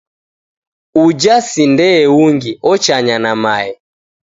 Uja si ndee ungi, ochanya na mae.